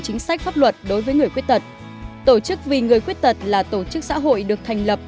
chính sách pháp luật đối với người khuyết tật tổ chức vì người khuyết tật là tổ chức xã hội được thành lập